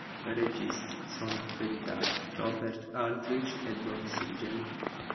Tra i registi sono accreditati Robert Aldrich e Don Siegel.